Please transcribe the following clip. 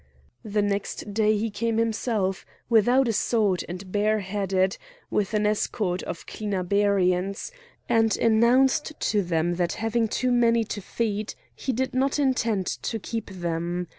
The next day he came himself, without a sword and bare headed, with an escort of Clinabarians, and announced to them that having too many to feed he did not intend to keep them.